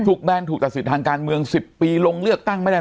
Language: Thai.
แบนถูกตัดสิทธิ์ทางการเมือง๑๐ปีลงเลือกตั้งไม่ได้